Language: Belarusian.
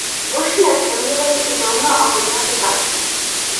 Вучні атрымлівалі і пэўную агульную адукацыю.